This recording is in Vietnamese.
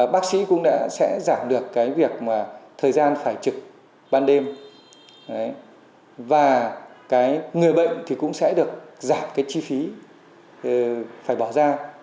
bác sĩ cũng đã giảm được cái việc mà thời gian phải trực ban đêm và cái người bệnh thì cũng sẽ được giảm cái chi phí phải bỏ ra